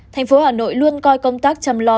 thành phố hà nội luôn coi công tác chăm lo